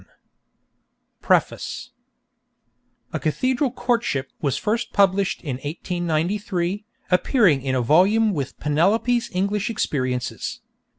_ PREFACE _'A Cathedral Courtship' was first published in 1893, appearing in a volume with 'Penelope's English Experiences.'